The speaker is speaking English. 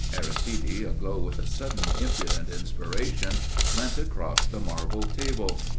Aristide, aglow with a sudden impudent inspiration, leant across the marble table.